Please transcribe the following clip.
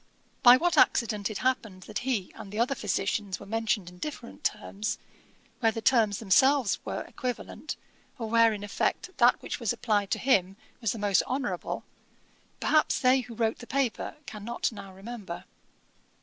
'By what accident it happened that he and the other physicians were mentioned in different terms, where the terms themselves were equivalent, or where in effect that which was applied to him was the most honourable, perhaps they who wrote the paper cannot now remember.